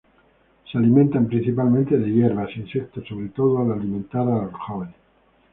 Se alimentan principalmente de hierbas, insectos, sobre todo al alimentar a los jóvenes.